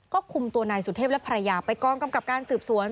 ก็คุมตัวนายสุเทพและภรรยาไปกองกำกับการสืบสวน